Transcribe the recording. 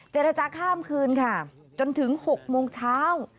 เจรจาข้ามคืนค่ะจนถึง๖โมงเช้า